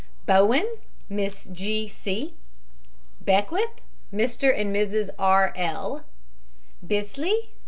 BOWEN, MISS G. C. BECKWITH, MR. AND MRS. R. L. BISLEY, MR.